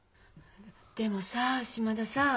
でもさ島田さん。